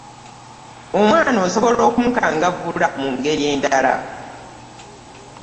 Omwana osobola okumukangavvula mu ngeri endala.